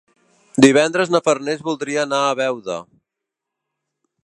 Divendres na Farners voldria anar a Beuda.